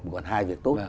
mà còn hai việc tốt